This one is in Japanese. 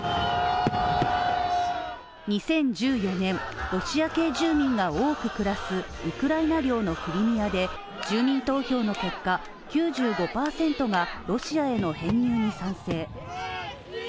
２０１４年、ロシア系住民が多く暮らすウクライナ領のクリミアで住民投票の結果、９５％がロシアへの編入に賛成